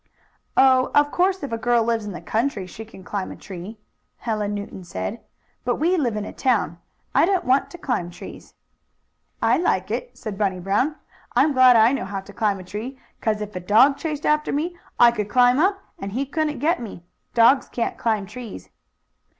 "Oh, of course if a girl lives in the country she can climb a tree," Helen Newton said "But we live in a town. I don't want to climb trees." "I like it," said Bunny Brown. "I'm glad I know how to climb a tree, 'cause if a dog chased after me I could climb up, and he couldn't get me. Dogs can't climb trees."